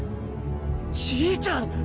じいちゃん！